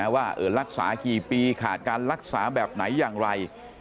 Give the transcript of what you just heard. ว่ารักษากี่ปีขาดการรักษาแบบไหนอย่างไร